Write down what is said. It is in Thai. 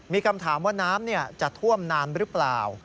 มีคำถามว่าน้ำจะท่วมนานหรือเปล่า